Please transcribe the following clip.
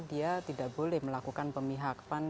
dia tidak boleh melakukan pemihakan